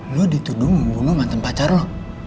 lo dituduh membunuh mantan pacar loh